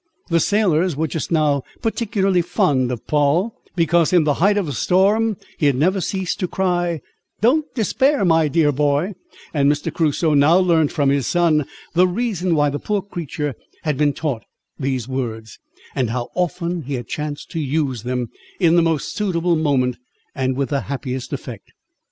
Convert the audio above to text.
The sailors were just now particularly fond of Poll, because, in the height of the storm, he had never ceased to cry, "Don't despair, my dear boy;" and Mr. Crusoe now learnt from his son, the reason why the poor creature had been taught these words, and how often he had chanced to use them, in the most suitable moment, and with the happiest effect.